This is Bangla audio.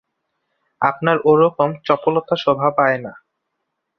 আপনার ও-রকম চপলতা শোভা পায় না।